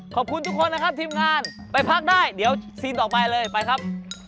ขอบคุณทุกคนนะครับทีมงานไปพักได้เดี๋ยวซีนต่อไปเลยไปครับ